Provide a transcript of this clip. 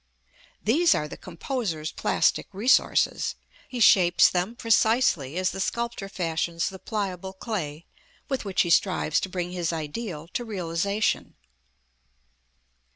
These are the composer's plastic resources. He shapes them precisely as the sculptor fashions the pliable clay with which he strives to bring his ideal to realization.